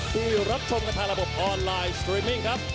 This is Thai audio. ที่รับชมกันทางระบบออนไลน์สตรีมิ้งครับ